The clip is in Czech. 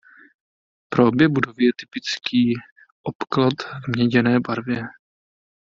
Pro obě budovy je typický obklad v měděné barvě.